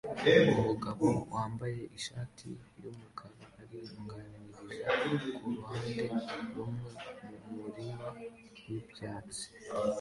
Umugabo wambaye ishati yumukara aringaniza kuruhande rumwe mumurima wibyatsi